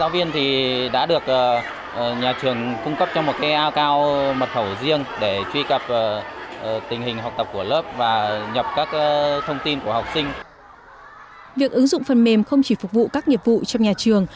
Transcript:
việc ứng dụng phần mềm không chỉ phục vụ các nghiệp vụ trong nhà trường